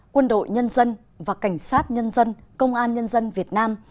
quân đội nhân dân và cảnh sát nhân dân công an nhân dân việt nam